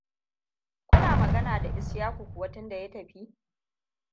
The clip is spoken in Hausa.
Kuna magana da Ishaku kuwa tun da ya tafi?